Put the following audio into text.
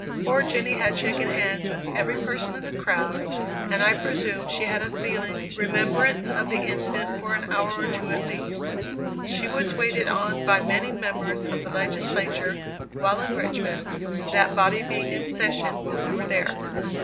Poor Jenny had shaken hands with every person in the crowd, and I presume she had a feeling remembrance of the incident for an hour or two at least. She was waited on by many members of the Legislature while in Richmond, that body being in session while we were there.